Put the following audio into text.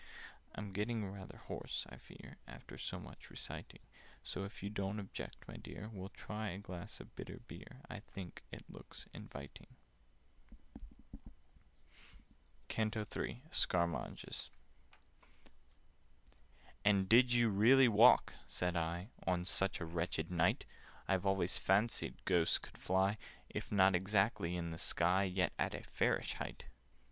"I'm getting rather hoarse, I fear, After so much reciting: So, if you don't object, my dear, We'll try a glass of bitter beer— I think it looks inviting." [Picture: We'll try a glass of bitter beer] CANTO III Scarmoges "AND did you really walk," said I, "On such a wretched night? I always fancied Ghosts could fly— If not exactly in the sky, Yet at a fairish height."